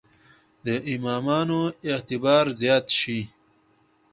د امامانو اعتبار زیات شي.